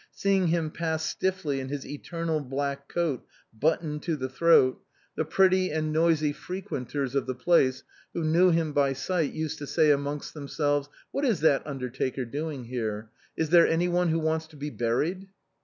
Seeing him pass stiffly in his eternal black coat buttoned to the throat, the pretty and noisy frequenters of the place, who knew him by sight, used to say amongst themselves, " What is that undertaker doing here ? Is there any one who wants to be buried